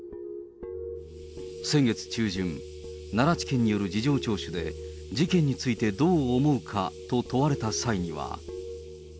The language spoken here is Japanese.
先月中旬、奈良地検による事情聴取で、事件についてどう思うかと問われた際には。